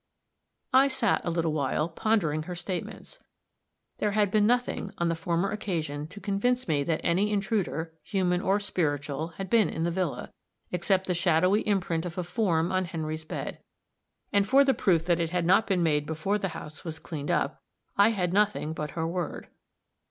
I sat a little while pondering her statements. There had been nothing, on the former occasion, to convince me that any intruder, human or spiritual, had been in the villa except the shadowy imprint of a form on Henry's bed, and for the proof that it had not been made before the house was cleaned up, I had nothing but her word.